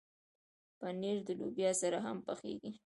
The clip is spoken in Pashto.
پنېر د لوبیا سره هم پخېږي.